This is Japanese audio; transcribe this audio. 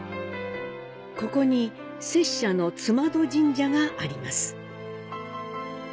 ここに摂社の妻戸神社があります。